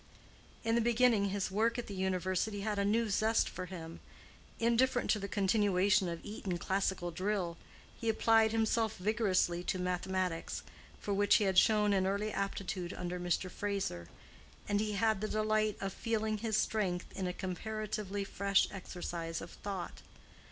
In the beginning his work at the university had a new zest for him: indifferent to the continuation of Eton classical drill, he applied himself vigorously to mathematics, for which he had shown an early aptitude under Mr. Fraser, and he had the delight of feeling his strength in a comparatively fresh exercise of thought.